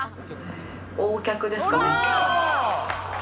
Ｏ脚ですかね。